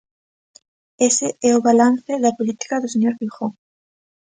Ese é o balance da política do señor Feijóo.